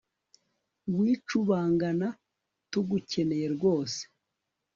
wicubangana tugukeneye rwose